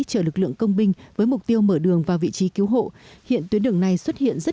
chở lực lượng công binh với mục tiêu mở đường vào vị trí cứu hộ hiện tuyến đường này xuất hiện rất